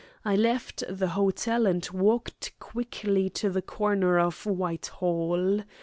I left the hotel and walked quickly to the corner of Whitehall.